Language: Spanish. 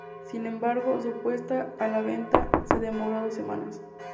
Sin embargo, su puesta a la venta se demoró dos semanas.